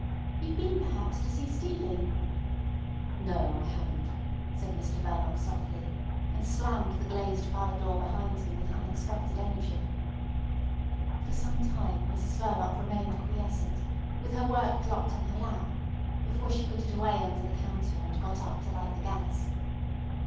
You've been perhaps to see Stevie?" "No! I haven't," said Mr Verloc softly, and slammed the glazed parlour door behind him with unexpected energy. For some time Mrs Verloc remained quiescent, with her work dropped in her lap, before she put it away under the counter and got up to light the gas.